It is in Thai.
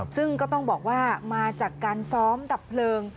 ซึ่งก็ต้องบอกว่ามาจากการซ้อมดับเพลิง